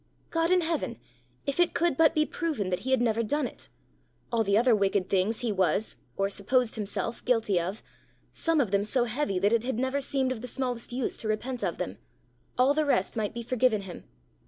God in heaven! if it could but be proven that he had never done it! All the other wicked things he was or supposed himself guilty of some of them so heavy that it had never seemed of the smallest use to repent of them all the rest might be forgiven him!